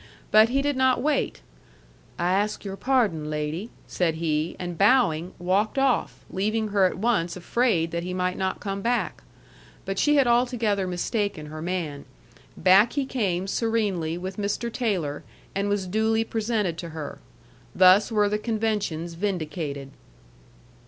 But he did not wait. "I ask your pardon, lady," said he, and bowing, walked off, leaving her at once afraid that he might not come back. But she had altogether mistaken her man. Back he came serenely with Mr. Taylor, and was duly presented to her. Thus were the conventions vindicated.